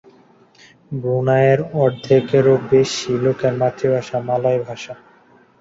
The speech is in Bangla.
ব্রুনাইয়ের অর্ধেকেরও বেশি লোকের মাতৃভাষা মালয় ভাষা।